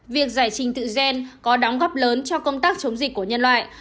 việc giải trình tự gen có đóng góp lớn cho công tác chống dịch của nhân loại